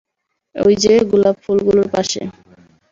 ঐ যে, গোলাপ ফুলগুলোর পাশে।